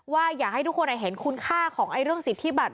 อยากให้ทุกคนเห็นคุณค่าของเรื่องสิทธิบัตร